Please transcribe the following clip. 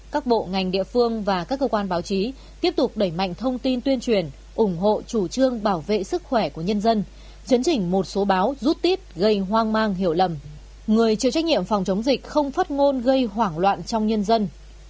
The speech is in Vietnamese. các bộ ngành địa phương và các cơ quan báo chí tiếp tục đẩy mạnh thông tin tuyên truyền ủng hộ chủ trương bảo vệ sức khỏe của nhân dân chấn chỉnh một số báo rút tiết gây hoang mang hiểu lầm người chịu trách nhiệm phòng chống dịch không phát ngôn gây hoảng loạn trong nhân dân